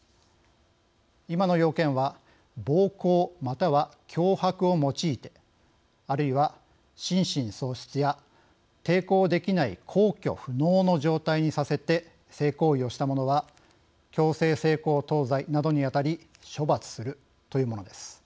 今の要件は暴行または脅迫を用いてあるいは心神喪失や抵抗できない抗拒不能の状態にさせて性行為をした者は強制性交等罪などにあたり処罰するというものです。